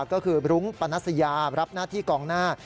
ก็คือรุ้งปนัสยารับหน้าที่กองหน้า